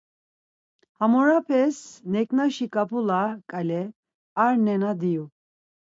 Hamorapes neǩnaşi ǩap̌ula ǩale ar nena diyu.